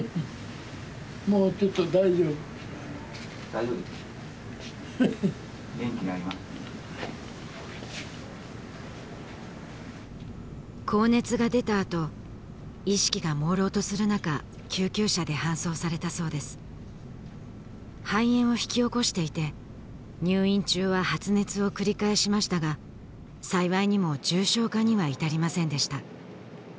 はい高熱が出たあと意識がもうろうとするなか救急車で搬送されたそうです肺炎を引き起こしていて入院中は発熱を繰り返しましたが幸いにも重症化には至りませんでした